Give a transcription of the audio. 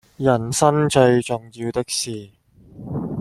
人生最重要的事